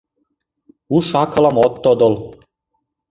Уш-акылым от тодыл